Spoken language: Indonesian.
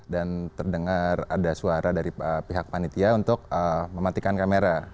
dan terdengar ada suara dari pihak panitia untuk mematikan kamera